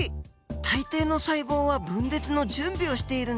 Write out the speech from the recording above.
大抵の細胞は分裂の準備をしているんですね。